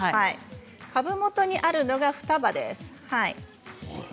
株元にあるのが双葉です。